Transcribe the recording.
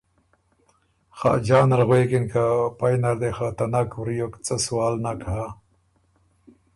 خاجان ال غوېکِن که پئ نر دې خه ته نک وریوک څه سوال نک ھۀ